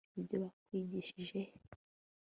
ibyo bakwigishije he